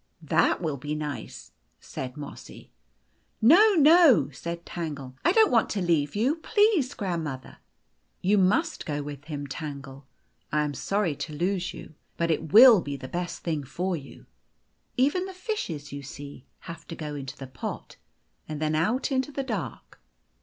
" That will be nice," said Mossy. "No, no!" said Tangle. "I don't want to leave O you, please, grandmother." " You must go with him, Tangle. I am sorry to The Golden Key 191 lose you, but it will be the best thing for you. Even the fishes, you see, have to go into the pot, and then out into the dark.